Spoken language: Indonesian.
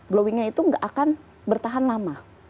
glowingnya itu nggak akan bertahan lama